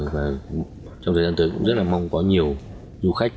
và trong thời gian tới cũng rất là mong có nhiều du khách